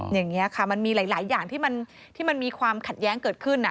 อย่างนี้ค่ะมันมีหลายอย่างที่มันมีความขัดแย้งเกิดขึ้น